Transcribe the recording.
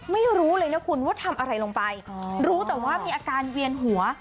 ไม่รู้เลยนะคุณว่าทำอะไรลงไปรู้แต่ว่ามีอาการเวียนหัว